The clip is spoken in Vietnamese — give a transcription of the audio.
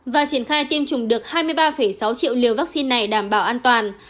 và triển khai tiêm chủng được hai mươi ba sáu triệu liều vaccine này đảm bảo an toàn